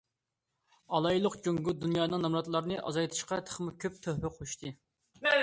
ئالايلۇق: جۇڭگو دۇنيانىڭ نامراتلارنى ئازايتىشىغا تېخىمۇ كۆپ تۆھپە قوشتى.